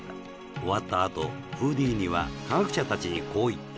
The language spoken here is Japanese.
終わったあとフーディーニは科学者たちにこう言った